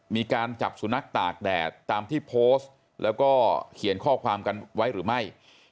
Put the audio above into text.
มีการจับสุนัขตากแดดตามที่โพสต์แล้วก็เขียนข้อความกันไว้หรือไม่